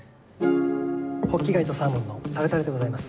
ホッキ貝とサーモンのタルタルでございます。